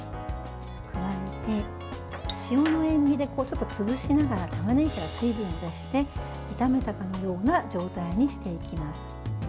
加えて、塩の塩みで潰しながらたまねぎから水分が出して炒めたような状態にしていきます。